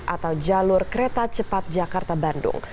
atau jalur kereta cepat jakarta bandung